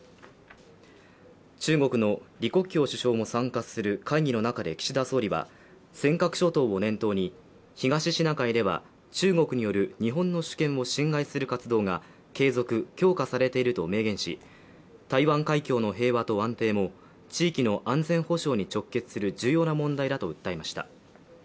中国の李克強首相も参加する会議の中で岸田総理は尖閣諸島を念頭に、東シナ海では中国による日本の主権を侵害する活動が継続・強化されていると明言し、台湾海峡の平和と安定も地域の安全保障に直結する重要な問題だと訴えました。